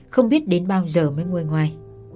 không biết đến bao giờ mới ngồi ngoài